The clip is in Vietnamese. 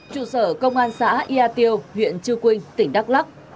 chủ sở công an xã ea tiêu huyện chư quy tỉnh đắk lắc